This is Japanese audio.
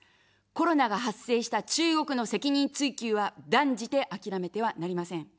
コロナが発生した中国の責任追及は断じて諦めてはなりません。